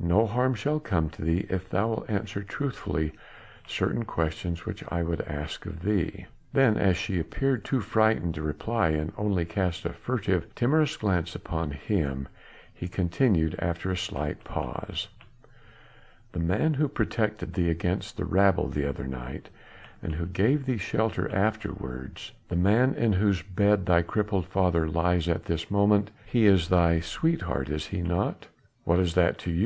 No harm shall come to thee if thou wilt answer truthfully certain questions which I would ask of thee." Then as she appeared too frightened to reply and only cast a furtive, timorous glance on him, he continued after a slight pause: "The man who protected thee against the rabble the other night, and who gave thee shelter afterwards, the man in whose bed thy crippled father lies at this moment he is thy sweetheart, is he not?" "What is that to you?"